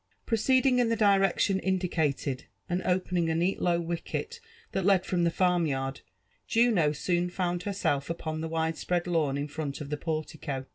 Proceeding in the direction indicated, and opening a neat low wicket that led from the farmyard, Juno soon found herself upon the wide^ spread lawn in front of the portico.